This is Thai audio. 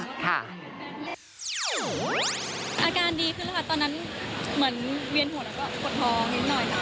อาการดีขึ้นแล้วค่ะตอนนั้นเหมือนเวียนหัวแล้วก็ปวดท้องนิดหน่อยค่ะ